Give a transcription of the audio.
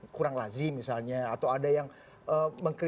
kurang lazim misalnya atau ada yang mengkritik